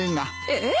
えっ？